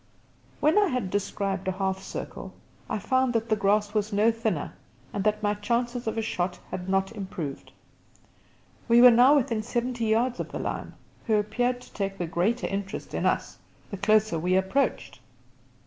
When I had described a half circle, I found that the grass was no thinner and that my chances of a shot had not improved. We were now within seventy yards of the lion, who appeared to take the greater interest in us the closer we approached.